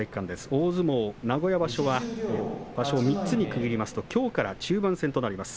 大相撲名古屋場所は場所を３つに区切りますときょうから中盤戦に入ります。